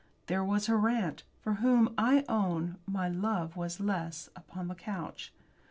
There was her aunt, for whom, I own, my love was less, upon the couch.